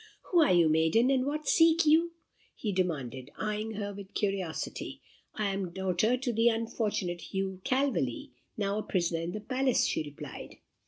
"Who are you, maiden, and what seek you?" he demanded, eyeing her with curiosity. "I am daughter to the unfortunate Hugh Calveley, now a prisoner in the palace," she replied.